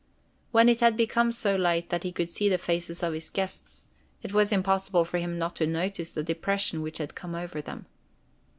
When it had become so light that he could see the faces of his guests, it was impossible for him not to notice the depression which had come over them.